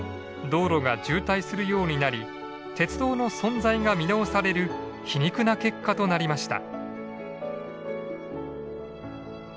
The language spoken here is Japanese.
道路が渋滞するようになり鉄道の存在が見直される皮肉な結果となりました。